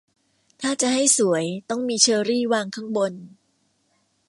ถ้าจะให้สวยต้องมีเชอร์รี่วางข้างบน